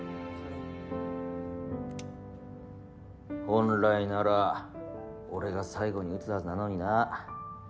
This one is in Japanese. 本来なら俺が最後に打つはずなのにな。